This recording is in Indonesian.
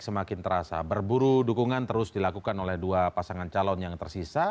semakin terasa berburu dukungan terus dilakukan oleh dua pasangan calon yang tersisa